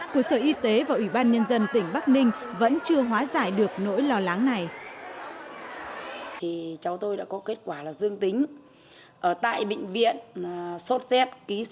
của sở y tế và ủy ban nhân dân tỉnh bắc ninh vẫn chưa hóa giải được nỗi lo lắng này